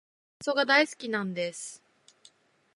カワウソが大好きなんです。